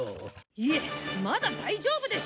いえまだ大丈夫です。